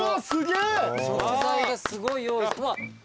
食材がすごい用意。